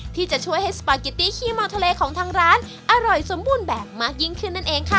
ที่จะช่วยให้สปาเกตตี้ขี้เมาทะเลของทางร้านอร่อยสมบูรณ์แบบมากยิ่งขึ้นนั่นเองค่ะ